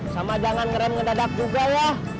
sama jangan ngerem ngedadak juga ya